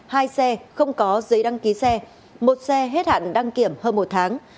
hai xe không có giấy đăng ký xe một xe hết hạn đăng kiểm hơn một tháng